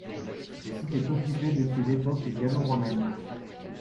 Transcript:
Le site est occupé depuis l’époque gallo-romaine.